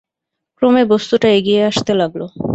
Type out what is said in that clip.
ক্রমে বস্তুটা এগিয়ে আসতে লাগল।